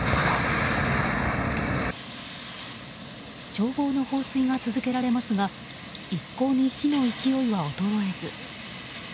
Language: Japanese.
消防の放水が続けられますが一向に火の勢いは衰えず。